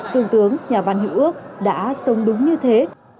trung tướng nhà văn hữu ước đã sống đúng như thế